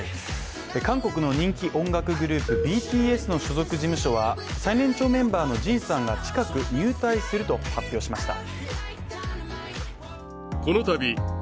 韓国の人気音楽グループ、ＢＴＳの所属事務所は最年少メンバーのＪＩＮさんが近く入隊すると発表しました。